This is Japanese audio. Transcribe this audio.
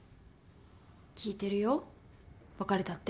聞いてるよ別れたって？